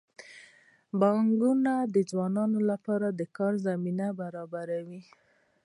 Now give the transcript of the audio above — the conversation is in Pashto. بانکونه د ځوانانو لپاره د کار زمینه برابروي.